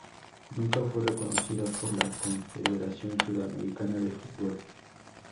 Nunca fue reconocido por la Confederación Sudamericana de Fútbol.